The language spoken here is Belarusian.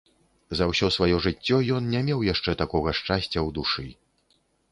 За ўсё сваё жыццё ён не меў яшчэ такога шчасця ў душы.